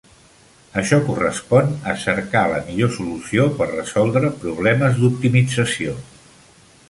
Això correspon a cercar la millor solució per resoldre problemes d'optimització.